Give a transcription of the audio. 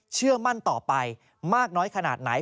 เชื่อมั่นต่อไปมากน้อยขนาดไหน